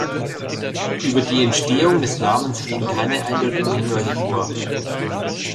Über die Entstehung des Namens liegen keine eindeutigen Hinweise vor.